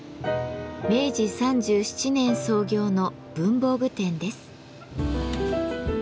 明治３７年創業の文房具店です。